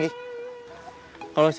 miskin banget juga